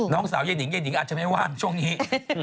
น้องสาวยายนิงยายนิงอาจจะไม่ว่างช่วงนี้